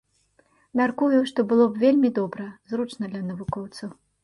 Мяркую, што было б вельмі добра, зручна для навукоўцаў.